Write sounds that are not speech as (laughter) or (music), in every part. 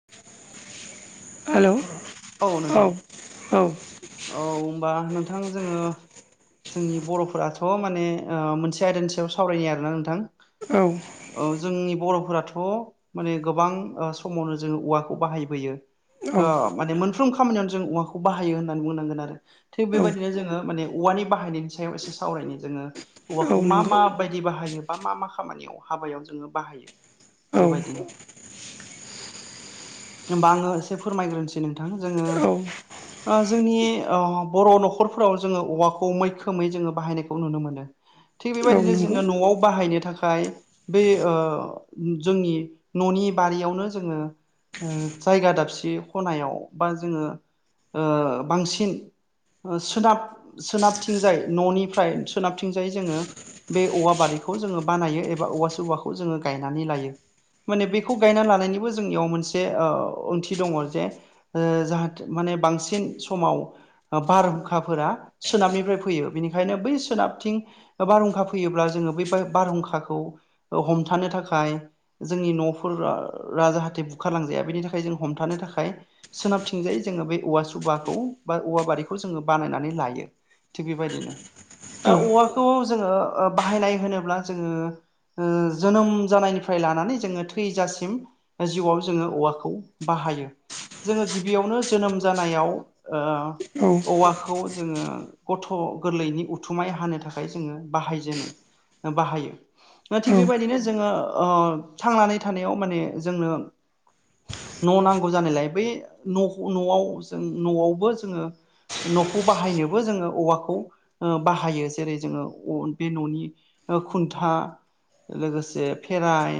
हेल' hello औ औ नोंथां औ। औ ओमबा नोंथां जोङो जोंनि बर'फोराथ' माने ओ मोनसे आयदानि सायाव सावरायो आरोना नोंथां औ ओ जोंनि बर'फोराथ' माने गोबां ओ समावनो जोङो औवाखौ बाहायबोयो औ ओ माने मोनफ्रोम खामानियावनो जों औवाखौ बाहायो होननानै बुंनांगोन आरो थिग औ बेबायदिनो जोङो माने औवानि बाहायनायनि सायाव एसे सावरायनि जोङो औ औवाखौ मा नंगौ मा बायदि बाहायो बा मा मा खामानियाव हाबायाव जोङो बाहायो औ बेबायदिनो होमबा आङो। एसे फोरमायग्रोनोसै नोंथां जोङो औ जोंनि बर' न'खरफोराव जोङो औवाखौ मैखोमै जोङो बाहायनायखौ नुनो मोनो। थिग बेबायदिनो नंगौ जोङो न'आव बाहायनो थाखाय बे जोंनि न'नि बारियावनो जोङो जायगा दाबसे खनायाव बा जोङो बांसिन सोनाब सोनाबथिंजाय न'निफ्राय सोनाबथिंजाय जोङो बे औवा बारिखौ जोङो बानायो एबा औवा सवाखौ जोङो गायनानै लायो। माने बेखौ गायना लानायनिबो जोंनियाव मोनसे ओंथि दङ जे जे माने बांसिन समाव बारहुंखाफोरा सोनाबनिफ्राय फैयो बिनिखायनो बै सोनाबथिं बारहुंखा फैयोब्ला जोङो बे बारहुंखाखौ हमथानो थाखाय जोंनि न'फोरा जाहाथे बुखारलांजाया बेनि थाखाय जों हमथानो थाखाय सोनाबथिंजायै जोङो बे औवा सुबाखौ बा औवा बारिखौ जोङो बानायनानै लायो। थिग बेबायदिनो औ औवाखौ जोङो बाहायनाय होनोब्ला जोङो जोनोम जानायनिफ्राय लानानै जोङो थैजासिम जिउआव जोङो औवाखौ बाहायो जोङो गिबियावनो जोनोम जानायाव औ औवाखौ जोङो गथ' गोरलैनि उथुमाय हानो थाखाय जोङो बाहायजेनो। बाहायो। द थिग बेबायदिनो जोङो थांनानै थानायाव माने जोंनो न' नांगौ जानायलाय बै न' न'आव जों न'आवबो जोङो न'खौ बाहायनोबो जोङो औवाखौ बाहायो जेरै जोङो बे न'नि खुन्था लोगोसे खेराय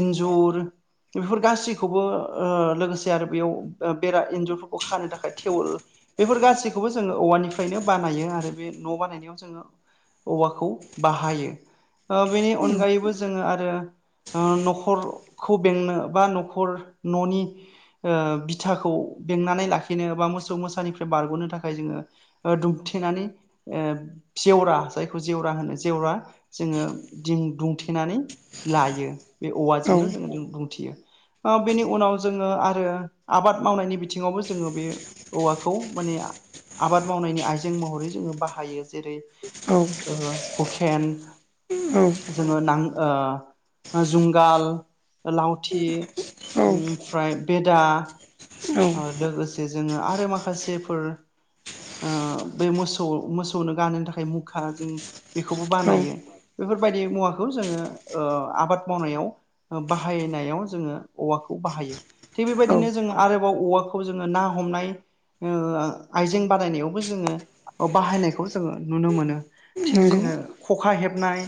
इन्जुर बेफोर गासै बेखौबो लोगोसे आरो बेयाव बेरा एन्जुरफोरखौ खानो थाखाय टेवल बेफोर गासैखौबो जोङो औवानिफ्रायनो बानायो आरो बे न' बानायनायाव जोङो औवाखौ बाहायो। बेनि अनगायैबो जोङो आरो न'खरखौ बेंनो बा न न'खर न'नि बिथाखौ बेंनानै लाखिनो बा मोसौ मोसानिफ्राय बारग'नो थाखाय जोङो दुमथेनानै जेवरा जायखौ जेवरा होनो जेवरा जोङो दिं दुंथेनानै लायो बे औवाजोंनो जोङनो बुंथियो। बेनि उनाव जोङो आरो आबाद मावनायनि बिथिङावबो जोङो बे औवाखौ माने आबाद मावनायनि आइजें महरै जोङो बाहायो जेरै औ ओ हुखेन औ। जोङो नां ओ जुंगाल लावथि औ ओमफ्राय बेदा ओ लोगोसे जोङो आरो माखासेफोर ओ बे मोसौ-मोसौनो गानहोनो थाखाय मुखा जों बेखौबो औ औ बानायो। बेफोरबायदि मुवाखौ जोङो ओ आबाद मावनायाव बाहायनायाव जोङो औवाखौ बाहायो थिग बेबायदिनो जों आरो औवाखौ जोङो ना हमनाय आइजें बादायनायावबो जोङो बाहायनायखौ जोङो नुनो मोनो। थिग नंगौ जोङो खखा हेबनाय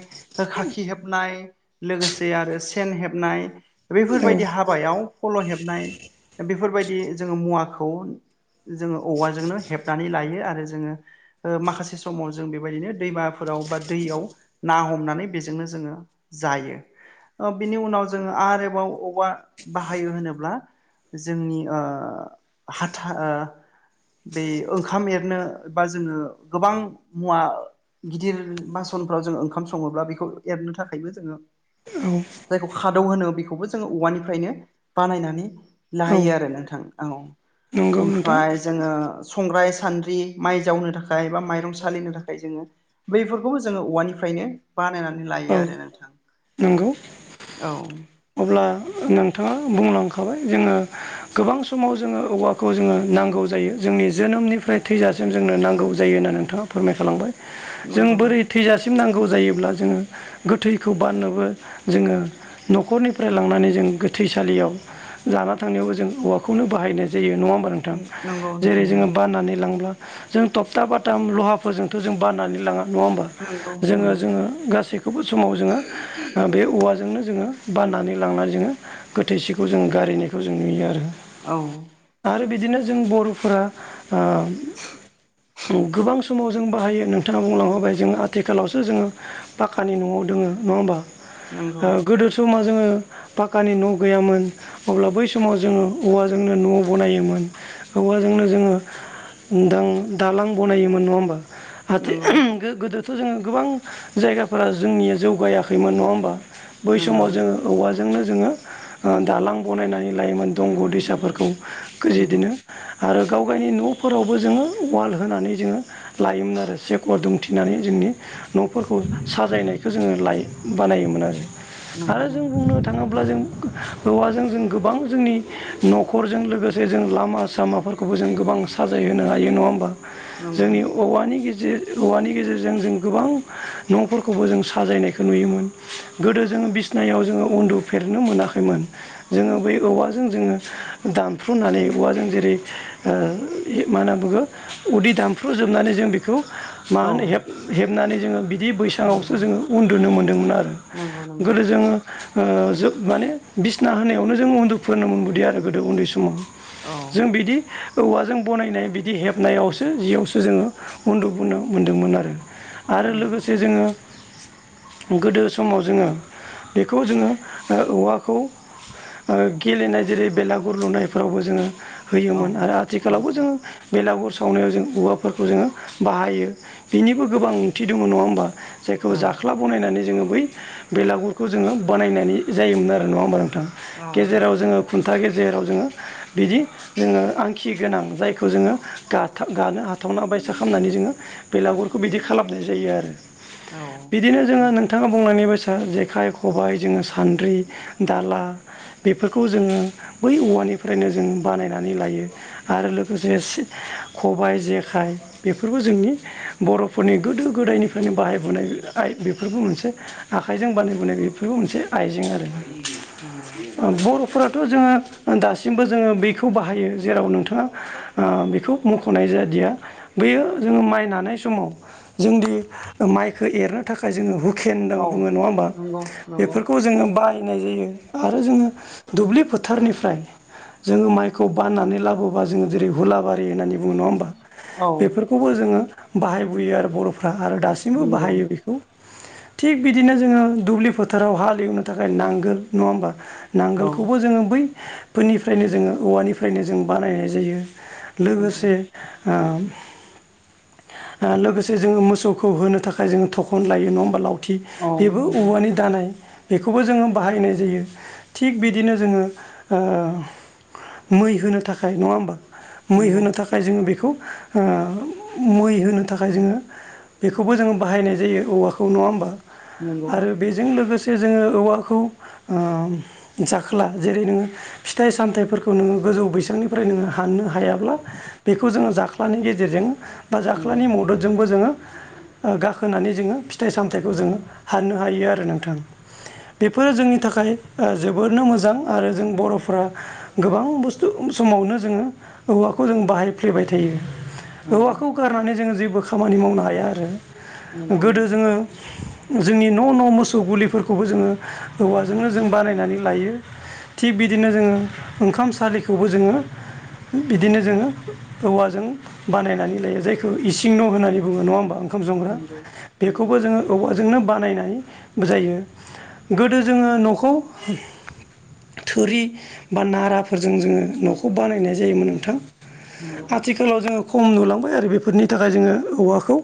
खाखि हेबनाय। लोगोसे आरो सेन हेबनाय औ बेफोरबायदि हाबायाव फल' हेबनाय बेफोरबायदि जोङो मुवाखौ जोङो औवाजोंनो हेबनानै लायो आरो जोङो माखासे समाव जों बेबायदिनो दैमाफोराव बा दैयाव ना हमनानै बेजोंनो जोङो जायो बिनि उनाव जोङो आरोबाव औबवा बाहायो होनोब्ला जोंनि हाथा बे ओंखाम एरनो बा जोङो गोबां मुवा गिदिर बासनफ्राव जोंङो ओंखाम सङोब्ला बेखौ एरनो थाखायबो जोङो जायखौ खादौ होनो बेखौबो जोङो औवानिफ्रायनो बानायनानै औ लाहायो आरो नोंथां औ नंगौ नोंथां ओमफ्राय जोङो संग्राय सान्द्रि माइ जावनो थाखाय बा माइरं सालिनो थाखाय जोङो बैफोरखौबो जोङो औवानिफ्रायनो बानायनानै औ लायो आरो नोंथां। नंगौ औ अब्ला नोंथाङा बुंलांखाबाय जोङो गोबां समाव जोङो औवाखौ जोङो नांगौ जायो जोंनि जोनोमनिफ्राय थैजासिम जोंनो नांगौ जायो होननानै नोंथाङा फोरमायखालांबाय जों नंगौ बोरै थैजासिम नांगौ जायोब्ला जोङो गोथैखौ बाननोबो जोङो न'खरनि फ्राय लांनानै जों गोथैसालियाव जाना थांनायावबो जों औवाखौनो बाहायनाय जायो नङा होमबा नोंथां नंगौ जेरै नोंथां जोङो नंगौ बनानै लांब्ला जों टगथा बाथाम लहाफोरजोंथ' जों बाननानै लाङा नङा होमबा। नंगौ नंगौ जोङो-जोङो गासैखौबो समाव जोङो बे औवाजोंनो जोङो बाननानै लांना जोङो गोथैसिखौ जों गारिनायखौ जों नुयो आरो। औ आरो बिदिनो जों बर'फोरा ओ गोबां समाव जों बाहायो नोंथाङा बुंलां होबाय जों आथिखालावसो जोङो पाक्कानि न'आव दोङो नङा होमबा नंगौ ओ गोदो समा जोङो पाक्कानि न' गैयामोन अब्ला बै समाव जोङो औवाजोंनो न' बनायोमोन। औवाजोंनो जोङो दां दालां बनायोमोन नङा होमबा। हाथे नंगौ (unintelligible) गो-गोदोथ' जोङो गोबां जायगाफोरा जोंनिया जौगायाखैमोन नङा होमबा। बै नंगौ समाव जोङो औवा जोंनो जोङो ओ दालां बनायनानै लायोमोन दंग' दैसाफोरखौ नंगौ गोजेदोनो। आरो गाव-गावनि न'फोरावबो जोङो वाल होनानै जोङो लायोमोन आरो सेकर दुमथि फिनानै जोंनि न'फोरखौ साजायनायखौ जोङो लाय बानायोमोन आरो।। आरो जों नंगौ बुंनो थाङोब्ला जों औवाजों जों गोबां जोंनि न'खरजों लोगोसे जों लामा सामाफोर खौबो जों गोबां साजायहोनो हायो नङा होमबा नंगौ जोंनि औवानि गेजेर औवानि गेजेरजों जों गोबां न'फोरखौबो जों साजायनायखौ नुयोमोन। गोदो जोङो बिसनायाव जोङो उन्दुफेरनो मोनाखैमोन। जोङो बै औवाजों जोङो दानफ्रुनानै औवाजों जेरै ओ मा होनना बुगो उदै दानफ्रु जोबनानै जों बेखौ मा औ होनो हेब-हेबनानै जोङो बि बि बैसङावसो नंगौ जोङो उन्दुनो मोन्दोंमोन आरो नंगौ नंगौ गोदो जोङो ओ जोब माने बिसना होनायावनो जों उन्दुफोरनो मोनबोदों आरो गोदो उन्दै समाव। औ जों बिदि औवाजों बनायनाय बिदि हेबनायावसो जियावसो जोङो उन्दुबो मोन्दोंमोन आरो आरो नंगौ लोगोसे जोङो गोदो समाव जोङो बेखौ जोङो औवाखौ गेलेनाय जेरै बेलागुर लुनायफ्रावबो जोङो औ होयोमोन आरो आथिखालावबो नंगौ जोङो बेलागुर सावनायाव जों औवाफोरखौ जोङो बाहायो बेनिबो गोबां ओंथि दङ नङा होमबा। जायखौ औ जाख्ला बनायनानै जोङो बै बेलागुरखौ जोङो बानायनानै जायोमोन आरो नङा होमबा नोंथां। औ गेजेराव जोङो खुन्था गेजेराव जोङो बिदि जोङो आंखि गोनां जायखौ जोङो गाथा गानो हाथावना बायसा खालामनानै जोङो बेलागुरखौ बिदि खालामनाय जायो आरो। औ बिदिनो जोङो नंगौ नोंथाङा बुंलांनाय बायसा जेखाइ खबाय जोङो सान्द्रि दाला बेफोरखौ जोङो बै औवानिफ्रायनो जों बानायनानै लायो। आरो लोगोसे सि खबाय जेखाइ बेफोरबो जोंनि बर'फोरनि गोदो गोदायनिफ्रायनो बाहायबोनाय आइ बेफोरबो मोनसे आखाइजों बानायबोनाय बेफोरबो मोनसे आइजें आरो नांगौ। बर'फोराथ' जोङो दासिमबो जोङो बैखौ बाहायो जेराव नोंथाङा बेखौ मख'नाय जादिया बेयो जोङो माइ हानाय समाव जोंदि माइखो एरनो थाखाय जोङो हुकेन होनना औ बुङो नङा होमबा। नंगौ नंगौ खौ जोङो बायनाय जायो आरो जोङो दुब्लि फोथारनिफ्राय जोङो माइखौ बाननानै लाबोबा जोङो जेरै हुलाबारि होननानै बुङो नङा होमबा। औ बेफोरखौबो जोङो बाहायबोयो आरो बर'फ्रा आरो दासिमबो नंगौ बाहायो बेखौ थिग बिदिनो जोङो दुब्लि फोथाराव हाल एवनो थाखाय नांगोल नङा होमबा। औ नांगोलखौबो जोङो बैफोरनिफ्रायनो जोङो औवानिफ्रायनो जों बानायनाय जायो। नंगौ लोगोसे आम ओ लोगोसे जोङो मोसौखौ होनो थाखाय जोङो थखन लायो नङा होमबा लाव थि औ बेबो नंगौ औवानि दानाय। बेखौबो जोङो बाहायनाय जायो थिग बिदिनो जोङो ओ मै होनो थाखाय नङा हबा मै नंगौ होनो थाखाय जोङो बेखौ मै होनो थाखाय जोङो बेखौबो जोङो बाहायनाय जायो औवाखौ नङा होमबा नंगौ आरो बेजों लोगोसे जोङो औवाखौ ओ जाखोला जेरै नोङो फिथाइ सामथाइफोरखौ नोङो गोजौ बैसांनिफ्राय नोङो हाननो हायाब्ला। बेखौ जोङो जाख्लानि गेजेरजों बा नंगौ जाख्लानि मददजोंबो जोङो ओ गाखोनानै जोङो फिथाइ सामथायाइखौ जोङो हाननो हायो आरो नोंथां। बेबो जोंनि थाखाय जोबोरनो मोजां आरो जों बर'फ्रा गोबां बुस्थु समावनो जोङो औवाखौ जों बाहायफ्लेबाय थायो। औ हौवाखौ गारनानै जोङो जेबो खामानि मावनो हाया आरो नंगौ नंगौ गोदो जोङो जोंनि न' न' मोसौ गुलिफोर खौबो जोङो हौवाजोंनो जों बानायनानै लायो। थिग बिदिनो जोङो ओंखाम सलिखौबो जोङो बिदिनो जोङो औवाजों बानायनानै लायो जायखौ इसिं न' होननानै बुङ नङा होनबा। ओंखाम संग्रा नंगौ नंगौ बेखौबो जोङो औवाजोंनो बानायनाय जायो। गोदो जोङो न'खौ थोरि बा नाराफोरजों जोङो न'खौ बानायनाय जायोमोन नोंथां। नंगौ औ आथिखालाव जोङो खम नुलांबाय आरो बेफोरनि थाखाय जोङो औवाखौ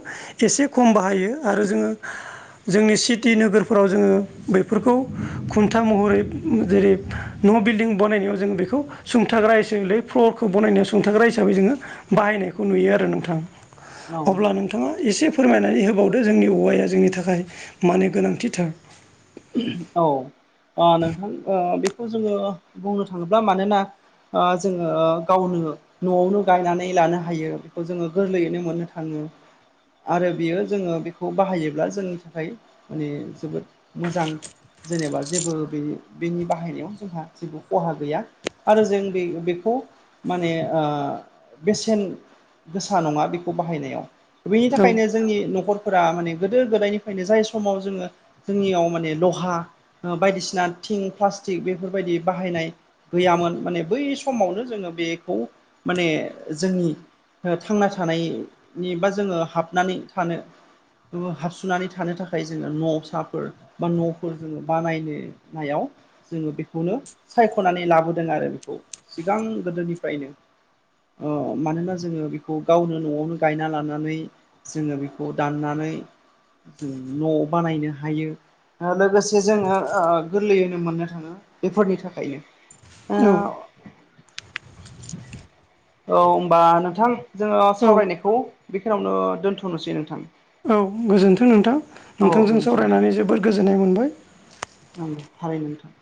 एसे खम बाहायो आरो जोङो जोंनि सिटि नोगोरफोराव जोङो बेफोरखौ खुन्था महरै जेरै न' बिल्डिं बानायनायाव जोंङो बेखौ सुंथाग्रा हिसाबैलै फ्लरखौ बनायनायाव सुंथाग्रा हिसाबै जोङो बाहायनायखौ नुयो आरो नोंथां औ अब्ला नों बिथाङा एसे फोरमायनानै होबावदो जोंनि औवाया जोंनि थाखाय मानो गोनांथिथार उम औ नोंथां बेखौ जोङो बुंनो थाङोब्ला मानोना आ जोङो गावनो न'आवनो गायनानै लानो हायो बेखौ जोङो गोरलैयैनो मोननो थाङो। आरो बियो जोङो बेखौ बाहायोब्ला जोंनि थाखाय माने जोबोद मोजां। जेनेबा जेबो बे बेनि बाहायनायाव जोंहा जेबो खहा गैया। आरो जों बे बेखौ माने बेसेन गोसा नङा बेखौ बाहायनायाव। बेनि औ थाखायनो जोंनि न'खरफोरा माने गोदो गोदायनिफ्रायनो जाय समाव जोङो जोंनियाव माने लहा बायदिसिना थिं प्लास्टिक बेफोरबायदि बाहायनाय। गैयामोन माने बै समावनो जोङो बेखौ माने जोंनि थांना थानायनि बा जोङो हाबनानै थानो हाबसुनानै थानो थाखाय जोङो न'आव सफ -बा न'फोर जोङ बानायनायाव जोङो बेखौनो सायख'नानै लाबोदों आरो बेखौ सिगां गोदोनिफ्रायनो अ मानोना जोङो बेखौ गावनो न'आवनो गायना लानानै जोङो बेखौ दाननानै जों न' बानायनो हायो लोगोसे जोङो ओ गोरलैयैनो मोननो थाङो बेफोरनि थाखायनो ओ औ औ होनबा नोंथां जोङो औ सावरायनायखौ बेखिनियावनो दोन्थ'नोसै नोंथां औ गोजोनथों नोंथां औ नोंथांजों गोजोन्थों नोंथां सावरायनानै जोबोद गोजोननाय मोनबाय नंगौ थारैनो नोंथां